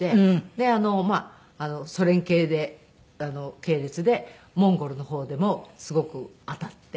でまあソ連系列でモンゴルの方でもすごく当たって。